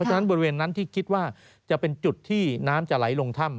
ฉะนั้นบริเวณนั้นที่คิดว่าจะเป็นจุดที่น้ำจะไหลลงถ้ำ